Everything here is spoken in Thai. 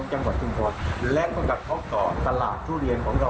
จังหวัดจึงพอและก็กับออกเกาะตลาดทุเรียนของเรา